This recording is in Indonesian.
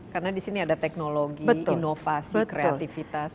karena di sini ada teknologi inovasi kreativitas